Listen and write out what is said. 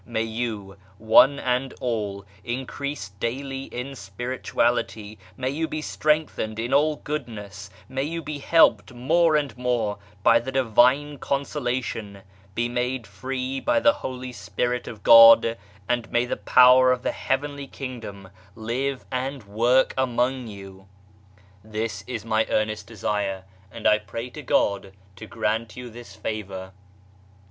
May you, one and all, increase daily in spirituality, may you be strengthened in all goodness, may you be helped more and more by the Divine consolation, be made free by the Holy Spirit of God, and may the power of the Heavenly Kingdom live and work among you. HUMAN VIRTUES 103 This is my earnest desire, and I pray to God to grant you this favour.